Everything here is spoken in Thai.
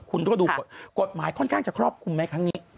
คุณก็ดูกฎหมายค่อนข้างจะครอบคลุมไหมครั้งนี้